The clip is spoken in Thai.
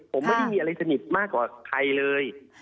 ผมไม่ได้มีอะไรสนิทมากกว่าใครเลย